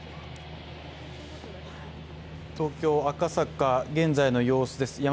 東京・赤坂、現在の様子です